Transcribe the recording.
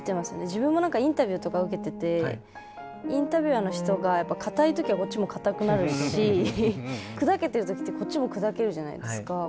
自分もなんかインタビューとか受けててインタビュアーの人がやっぱ硬い時はこっちも硬くなるし砕けてる時ってこっちも砕けるじゃないですか。